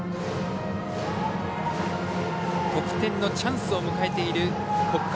得点のチャンスを迎えている北海。